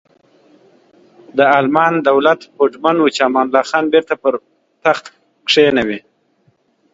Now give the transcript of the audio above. د المان دولت هوډمن و چې امان الله خان بیرته پر تخت کینوي.